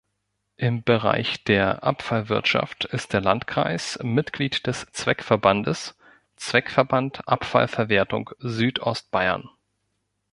Im Bereich der Abfallwirtschaft ist der Landkreis Mitglied des Zweckverbandes Zweckverband Abfallverwertung Südostbayern.